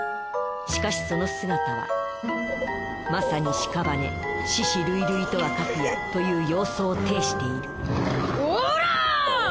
しかしその姿はまさにしかばね死屍累々とはかくやという様相を呈しているオラ！